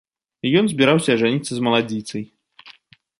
І ён збіраўся ажаніцца з маладзіцай.